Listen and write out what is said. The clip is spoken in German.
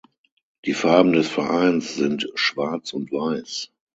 Die Farben des Vereins sind Schwarz und Weiß.